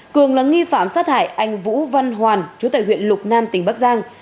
cường là nghi phạm sát hại anh vũ văn hoàn chú tại huyện lục nam tỉnh bắc giang